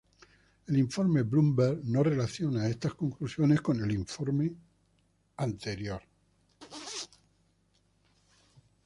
El informe Bloomberg no relacionaba estas conclusiones con el informe anterior.